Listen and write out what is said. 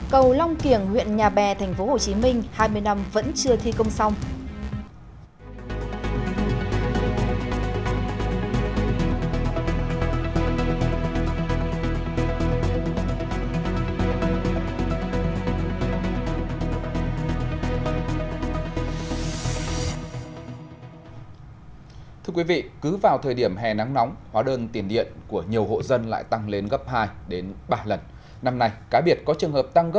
cầu long kiểng huyện nhà bè tp hcm hai mươi năm vẫn chưa thi công xong